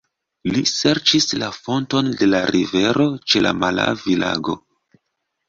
Li serĉis la fonton de la rivero ĉe la Malavi-lago.